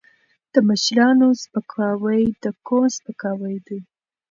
د مشرانو سپکاوی د قوم سپکاوی دی.